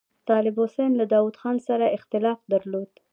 طالب حسین له داوود خان سره اختلاف درلود.